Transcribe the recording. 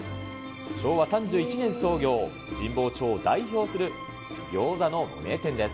昭和３１年創業、神保町を代表する餃子の名店です。